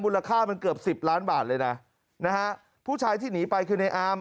ราคามันเกือบสิบล้านบาทเลยนะนะฮะผู้ชายที่หนีไปคือในอาม